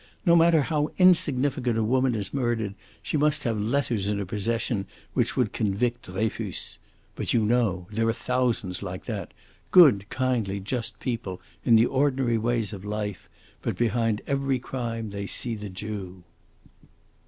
No matter how insignificant a woman is murdered, she must have letters in her possession which would convict Dreyfus. But you know! There are thousands like that good, kindly, just people in the ordinary ways of life, but behind every crime they see the Jew."